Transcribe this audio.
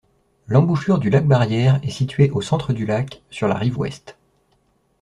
L'embouchure du lac Barrière est situé au centre du lac, sur la rive ouest.